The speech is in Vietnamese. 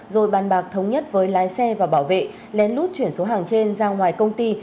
rồi bàn bạc thống nhất với lái xe và bảo vệ lén lút chuyển số hàng trên ra ngoài công ty